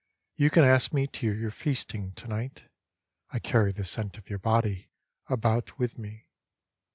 You can ask me to your feasting to night. I carry the scent of your body about with me.